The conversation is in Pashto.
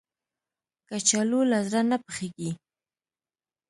کچالو له زړه نه پخېږي